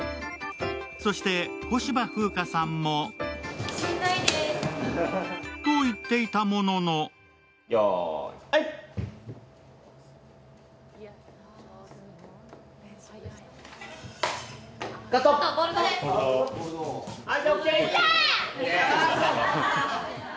そして、小芝風花さんもと言っていたもののオーケー！